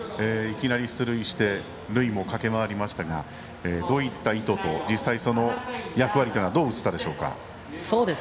いきなり出塁して塁も駆け回りましたがどういった意図と実際、その役割というのはどう映ったでしょうか？